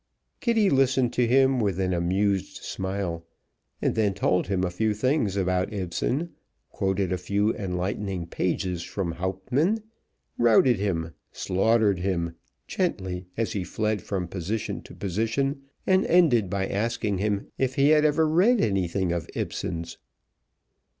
Kitty listened to him with an amused smile, and then told him a few things about Ibsen, quoted a few enlightening pages from Hauptmann, routed him, slaughtered him gently as he fled from position to position, and ended by asking him if he had ever read anything of Ibsen's.